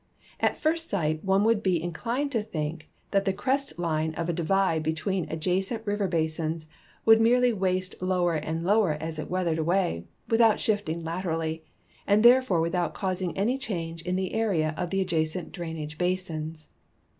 At first sight one would be in clined to think that the crest line of a divide l)etween adjacent river basins would merely waste lower and lower as it weathered away, without shifting laterally, and therefore without causing any change in the area of the adjacent drainage basins.